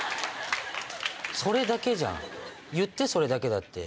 それだけじゃん言って「それだけだ」って。